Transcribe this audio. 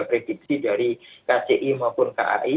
prediksi dari kci maupun kai